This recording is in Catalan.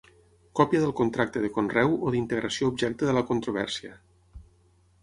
Còpia del contracte de conreu o d'integració objecte de la controvèrsia.